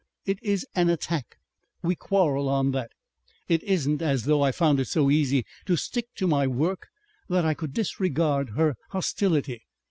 It is an attack. We quarrel on that. It isn't as though I found it so easy to stick to my work that I could disregard her hostility.